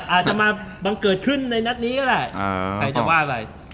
อาจจะมาบังเกิดขึ้นในนัดนี้ก็ได้